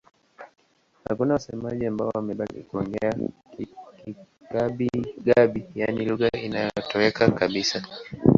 Hakuna wasemaji ambao wamebaki kuongea Kigabi-Gabi, yaani lugha imetoweka kabisa.